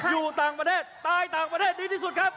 อยู่ต่างประเทศตายต่างประเทศดีที่สุดครับ